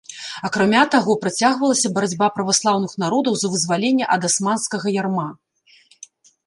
Акрамя таго, працягвалася барацьба праваслаўных народаў за вызваленне ад асманскага ярма.